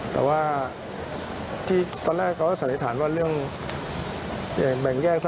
สายเหตุลึกคือว่า